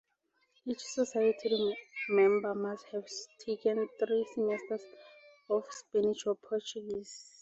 Each society member must have taken three semesters of Spanish or Portuguese.